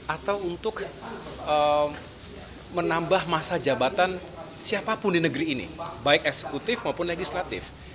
atau untuk menambah masa jabatan siapapun di negeri ini baik eksekutif maupun legislatif